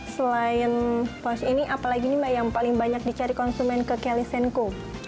selain pos ini apalagi nih mbak yang paling banyak dicari konsumen ke kelly senko